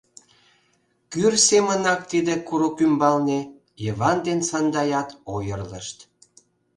Кӱр семынак тиде курык ӱмбалне Йыван ден Сандаят ойырлышт.